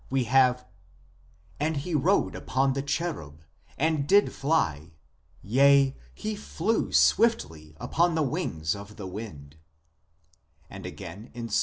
we have :" And he rode upon the cherub, and did fly ; yea, he flew swiftly upon the wings of the wind" ; and again in Ps.